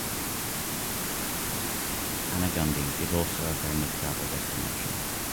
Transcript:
Anegundi, is also a famous travel destination.